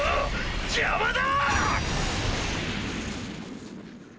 邪魔だ！